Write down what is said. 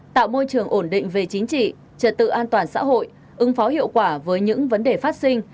tạo môi trường ổn định về chính trị trật tự an toàn xã hội ứng phó hiệu quả với những vấn đề phát sinh